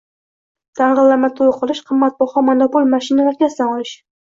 dang‘illama to‘y qilish, qimmatbaho monopol mashina markasidan olish